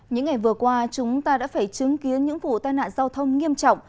những ngày vừa qua chúng ta đã phải chứng kiến những vụ tai nạn giao thông nghiêm trọng